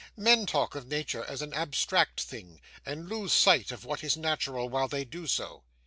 Men talk of Nature as an abstract thing, and lose sight of what is natural while they do so.